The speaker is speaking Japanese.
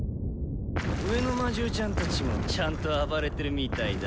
上の魔獣ちゃんたちもちゃんと暴れてるみたいだね。